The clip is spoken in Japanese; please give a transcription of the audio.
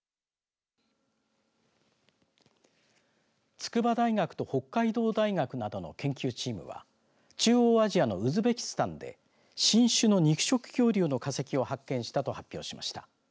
筑波大学と北海道大学などの研究チームは中央アジアのウズベキスタンで新種の肉食恐竜の化石を発見したと発表しました。